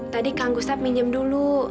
tadi kang gustab minjem dulu